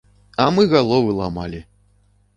А мы галовы ламалі!